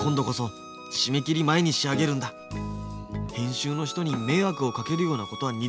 編集の人に迷惑をかけるようなことは二度とやるまい。